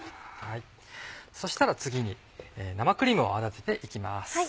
そしたら次に生クリームを泡立てて行きます。